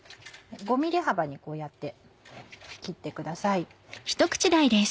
５ｍｍ幅にこうやって切ってください。